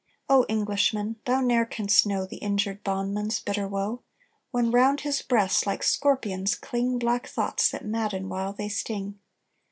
Oh, Englishman! thou ne'er canst know The injured bondman's bitter woe, When round his breast, like scorpions, cling Black thoughts that madden while they sting!